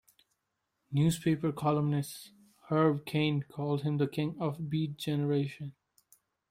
Newspaper columnist Herb Caen called him the king of the Beat Generation.